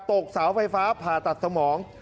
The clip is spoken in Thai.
ตกเสาไฟฟ้าผ่าตัดสมอง